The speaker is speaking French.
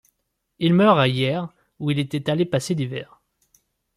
Il meurt à Hyères où il était allé passer l'hiver.